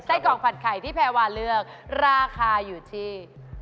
กล่องผัดไข่ที่แพรวาเลือกราคาอยู่ที่